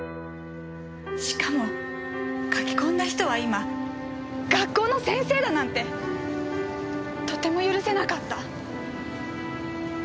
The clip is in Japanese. しかも書き込んだ人は今学校の先生だなんてとても許せなかった。